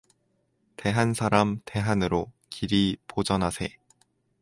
대한 사람 대한으로 길이 보전하세